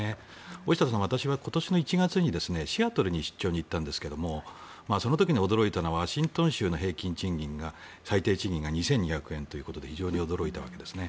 大下さん、私は今年の１月にシアトルに出張に行ったんですがその時に驚いたのはワシントン州の最低賃金が２２００円ということで非常に驚いたわけですね。